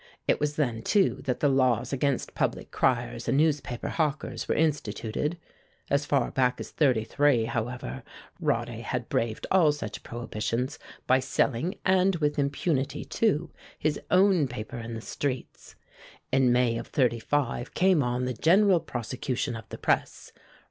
It was then, too, that the laws against public criers and newspaper hawkers were instituted. As far back as '33, however, Rodde had braved all such prohibitions by selling and with impunity, too, his own paper in the streets. In May of '35 came on the general prosecution of the press.